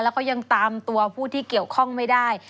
แล้วก็ยังตามตัวผู้ที่เกี่ยวข้องไม่ได้